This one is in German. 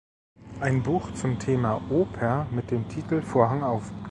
Ein Buch zum Thema Oper mit dem Titel "Vorhang auf!